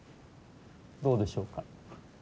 どうでしょうか。